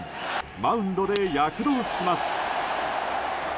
マウンドで躍動します。